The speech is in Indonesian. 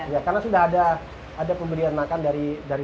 ya karena sudah ada pemberian makan dari